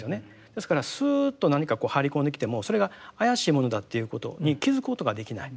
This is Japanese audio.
ですからスーッと何かこう入り込んできてもそれが怪しいものだっていうことに気付くことができない。